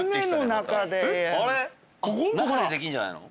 中でできんじゃないの？